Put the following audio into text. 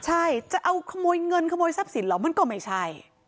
ใช่จะเอาขโมยเงินขโมยทรัพย์สินเหรอมันก็ไม่ใช่